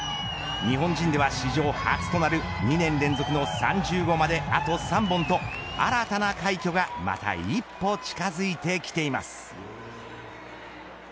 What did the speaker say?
日本人では史上初となる２年連続の３０号まであと３本と新たな快挙がまた一歩近づいてきています。